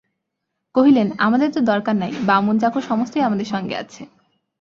কহিলেন, আমাদের তো দরকার নাই–বামুন-চাকর সমস্তই আমাদের সঙ্গে আছে।